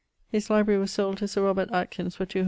His library was sold to Sir Robert Atkins for 200 _li.